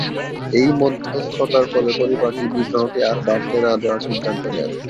এই মধ্যস্থতার ফলে পরিবারটি বিদ্রোহকে আর বাড়তে না দেওয়ার সিদ্ধান্ত নেন।